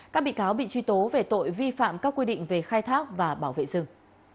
các bị cáo bị truy tố về tội vi phạm các quy định về khai thác và bảo vệ rừng